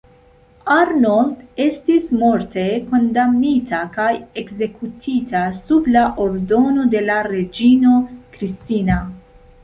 Arnold estis morte kondamnita kaj ekzekutita sub la ordono de la reĝino Kristina.